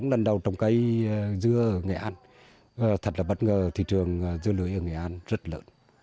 lần đầu trồng cây dưa ở nghệ an thật là bất ngờ thị trường dưa lưới ở nghệ an rất lớn